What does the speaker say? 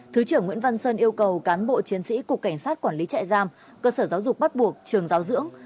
thứ trưởng nguyễn văn sơn yêu cầu cán bộ chiến sĩ cục cảnh sát quản lý trại giam cơ sở giáo dục bắt buộc trường giáo dưỡng